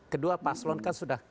kedua paslon kan sudah